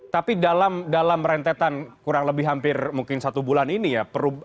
tapi dalam rentetan kurang lebih hampir mungkin satu bulan ini ya